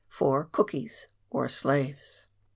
Cookies (or slaves).